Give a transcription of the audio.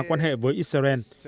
quan hệ với israel